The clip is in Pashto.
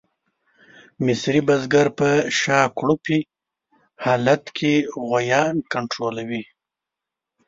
مصري بزګر په شاکړوپي حالت کې غویان کنټرولوي.